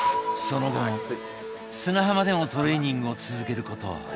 その後も砂浜でのトレーニングを続けること